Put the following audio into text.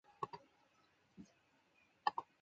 邻近的圣阿加莎教堂也遭受了一些损毁。